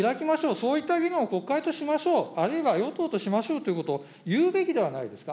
そういった議論を国会としましょう、あるいは、与党としましょうということを言うべきではないですか。